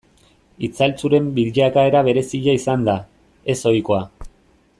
Itzaltzuren bilakaera berezia izan da, ez ohikoa.